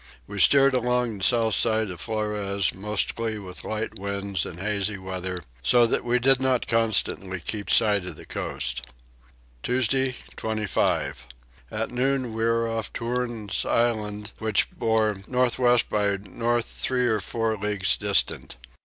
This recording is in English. We steered along the south side of Flores, mostly with light winds and hazy weather, so that we did not constantly keep sight of the coast. Tuesday 25. At noon we were off Toorns island which bore north west by north three or four leagues distant.